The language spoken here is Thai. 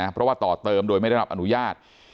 เพราะว่าต่อเติมโดยไม่ได้รับอนุญาต